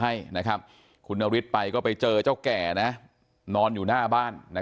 ให้คุณนฤทธิ์ไปก็ไปเจอเจ้าแก่นะนอนอยู่หน้าบ้าน